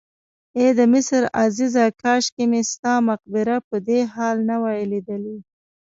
ای د مصر عزیزه کاشکې مې ستا مقبره په دې حال نه وای لیدلې.